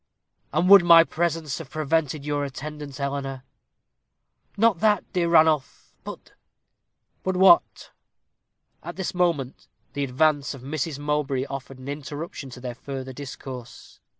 "And would my presence have prevented your attendance, Eleanor?" "Not that, dear Ranulph; but " "But what?" At this moment the advance of Mrs. Mowbray offered an interruption to their further discourse.